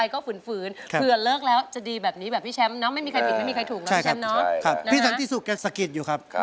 ก็ยินดีความที่ช้ำด้วยนะครับ